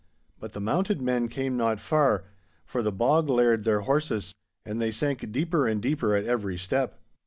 But the mounted men came not far, for the bog laired their horses, and they sank deeper and deeper at every step.